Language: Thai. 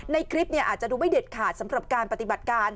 ในคลิปอาจจะดูไม่เด็ดขาดสำหรับการปฏิบัติการ